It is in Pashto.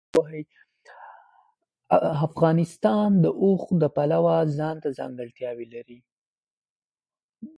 افغانستان د اوښ د پلوه ځانته ځانګړتیا لري.